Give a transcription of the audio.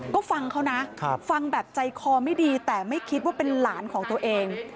ก็ฟังเขานะฟังแบบใจคอไม่ดีแต่ไม่คิดว่าเป็นหลานของตัวเอง